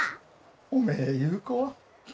おめえいう子は。